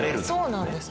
そうなんです。